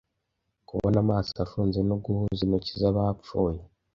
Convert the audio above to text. kubona amaso afunze no guhuza intoki z'abapfuye